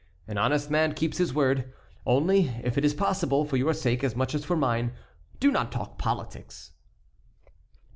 An honest man keeps his word. Only, if it is possible, for your sake as much as for mine, do not talk politics."